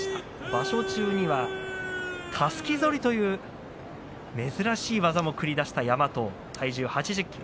場所中にはたすき反りという珍しい技も繰り出した山藤、体重８０ｋｇ